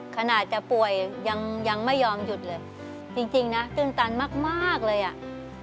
ขนาดจะป่วยยังยังไม่ยอมหยุดเลยจริงจริงนะตื่นตันมากมากเลยอ่ะ